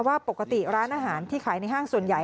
ว่าปกติร้านอาหารที่ขายในห้างส่วนใหญ่